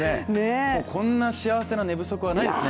こんな幸せな寝不足はないですね。